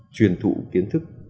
truyền thụ kiến thức